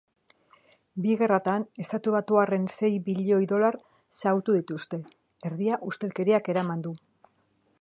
Bi gerratan estatubatuarren sei bilioi dolar xahutu dituzte, erdia ustelkeriak eraman du.